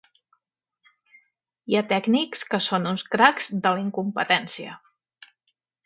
Hi ha tècnics que són uns cracs de la incompetència